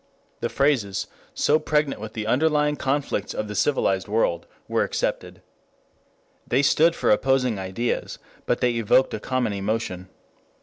The phrases, so pregnant with the underlying conflicts of the civilized world, were accepted. They stood for opposing ideas, but they evoked a common emotion.